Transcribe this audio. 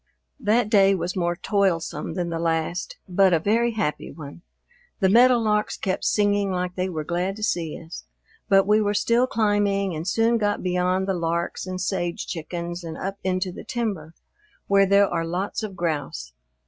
That day was more toilsome than the last, but a very happy one. The meadowlarks kept singing like they were glad to see us. But we were still climbing and soon got beyond the larks and sage chickens and up into the timber, where there are lots of grouse.